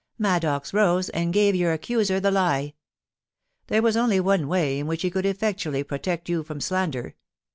Maddox rose and gave your accuser the lie. There was only one way in which he could effectually pro tect you from slander.